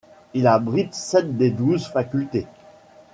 Il abrite sept des douze facultés.